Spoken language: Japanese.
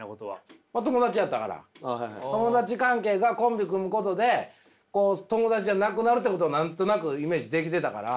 友達関係がコンビ組むことで友達じゃなくなるってこと何となくイメージできてたから。